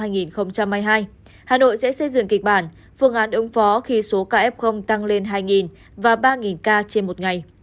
hà nội sẽ xây dựng kịch bản phương án ứng phó khi số ca f tăng lên hai và ba ca trên một ngày